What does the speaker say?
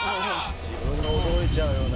自分が驚いちゃうよね。